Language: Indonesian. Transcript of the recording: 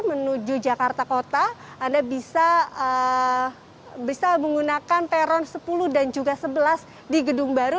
menuju jakarta kota anda bisa menggunakan peron sepuluh dan juga sebelas di gedung baru